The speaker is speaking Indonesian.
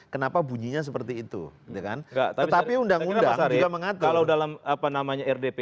kenapa bunyinya seperti itu tetapi undang undang juga mengatur dalam apa namanya rdp